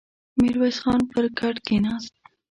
ميرويس خان پر کټ کېناست.